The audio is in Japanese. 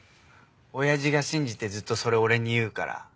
親父が信じてずっとそれ俺に言うから。